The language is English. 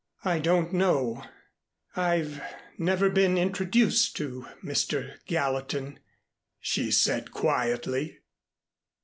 "I don't know I've never been introduced to Mr. Gallatin," she said quietly.